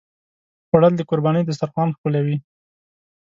خوړل د قربانۍ دسترخوان ښکلوي